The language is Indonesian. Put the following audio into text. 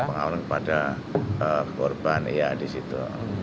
pengawalan kepada korban ya di situ